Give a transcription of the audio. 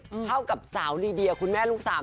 แล้วก็เข้ากับสาวลีเดียคุณแม่ลูกสาม